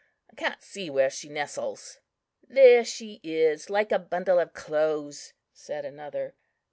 I can't see where she nestles." "There she is, like a bundle of clothes," said another.